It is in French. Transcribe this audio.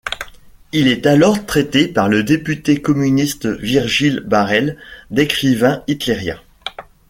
Il est alors traité par le député communiste Virgile Barel d'écrivain hitlérien.